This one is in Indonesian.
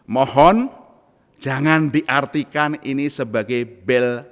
mohon jangan diartikan ini sebagai bail out